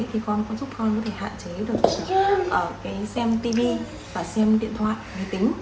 thì con có giúp con hạn chế được xem tv và xem điện thoại người tính